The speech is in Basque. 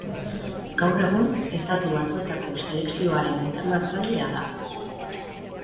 Gaur egun Estatu batuetako selekzioaren entrenatzailea da.